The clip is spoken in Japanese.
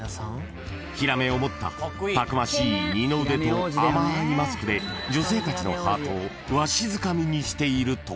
［ヒラメを持ったたくましい二の腕と甘いマスクで女性たちのハートをわしづかみにしているとか］